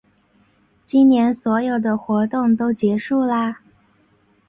今年所有的活动都结束啦